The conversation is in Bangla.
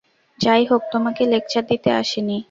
যাইহোক, তোমাকে লেকচার দিতে আসি নি।